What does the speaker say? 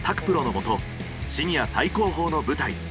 プロのもとシニア最高峰の舞台